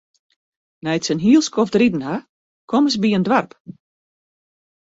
Nei't se in hiel skoft riden ha, komme se by in doarp.